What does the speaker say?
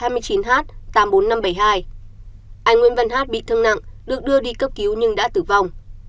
anh nguyễn văn hát bị thương nặng được đưa đi cấp cứu nhưng đã tử vong